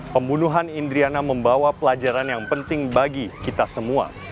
pembunuhan indriana membawa pelajaran yang penting bagi kita semua